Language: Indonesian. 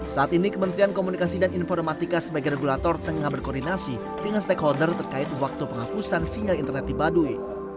saat ini kementerian komunikasi dan informatika sebagai regulator tengah berkoordinasi dengan stakeholder terkait waktu penghapusan sinyal internet di baduy